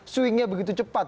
swingnya begitu cepat